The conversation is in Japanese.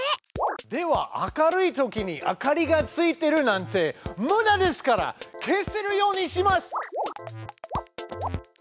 では明るいときに明かりがついてるなんてむだですから消せるようにします！